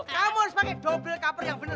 kamu harus pake dobel koper yang bener